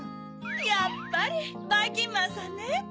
やっぱりばいきんまんさんね。